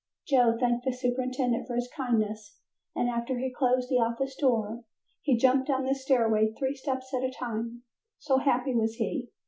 Joe thanked the superintendent for his kindness and after he closed the office door he jumped down the stairway three steps at a time, so happy was he.